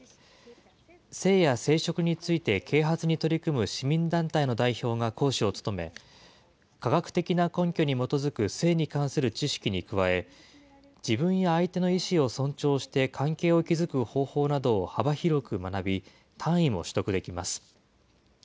性や生殖について啓発に取り組む市民団体の代表が講師を務め、科学的な根拠に基づく性に関する知識に加え、自分や相手の意思を尊重して関係を築く方法などを幅広く学び、単位も取得できます。